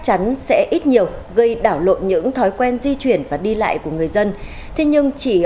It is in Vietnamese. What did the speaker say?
chắn sẽ ít nhiều gây đảo lộn những thói quen di chuyển và đi lại của người dân thế nhưng chỉ